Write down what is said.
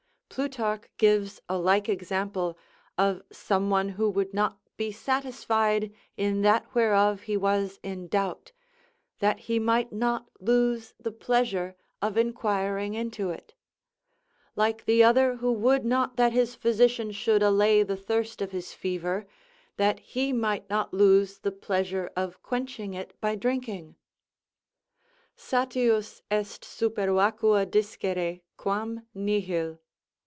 Plutarch gives a like example of some one who would not be satisfied in that whereof he was in doubt, that he might not lose the pleasure of inquiring into it; like the other who would not that his physician should allay the thirst of his fever, that he might not lose the pleasure of quenching it by drinking. _Satius est supervacua discere, quam nihil.